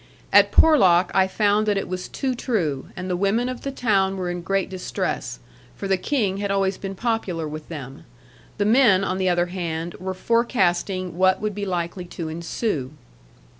At Porlock I found that it was too true; and the women of the town were in great distress, for the King had always been popular with them: the men, on the other hand, were forecasting what would be likely to ensue.